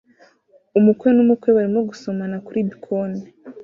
Umukwe n'umukwe barimo gusomana kuri bkoni